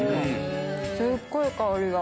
すっごい香りが。